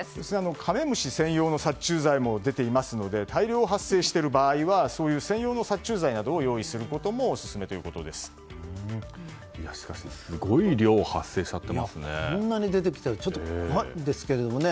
カメムシ専用の殺虫剤も出ていますので大量発生している場合は専用の殺虫剤を用意することもしかし、すごい量がこんなに出てきたら怖いんですけれどもね。